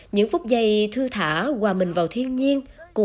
những phút giây thư thả hòa mình vào thiên nhiên